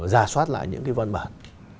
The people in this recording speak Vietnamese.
giả soát lại những văn bản